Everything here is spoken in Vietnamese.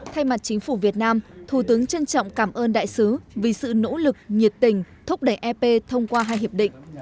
thay mặt chính phủ việt nam thủ tướng trân trọng cảm ơn đại sứ vì sự nỗ lực nhiệt tình thúc đẩy ep thông qua hai hiệp định